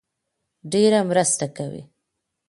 ډېره مرسته کوي